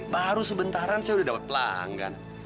baru sebentaran saya udah dapat pelanggan